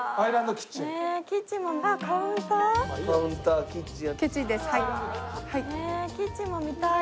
キッチンも見たいな。